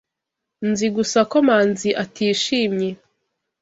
Nzi gusa ko Manzi atishimye.